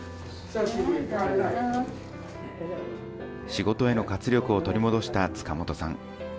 仕事への活力を取り戻した塚本さん。